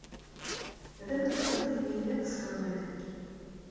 D awezɣi ad t-id-tiniḍ s wawalen.